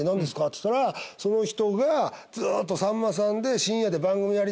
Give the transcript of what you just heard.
っつったらその人がずっとさんまさんで深夜で番組やりたい。